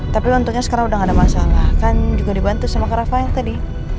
tapi untungnya sekarang udah gak ada masalah kan juga dibantu sama ke rafael tadi